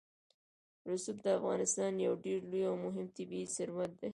رسوب د افغانستان یو ډېر لوی او مهم طبعي ثروت دی.